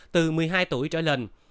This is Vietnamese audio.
từ một mươi hai tuổi trở lên